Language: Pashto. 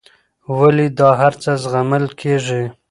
ولې دا هرڅه زغمل کېږي.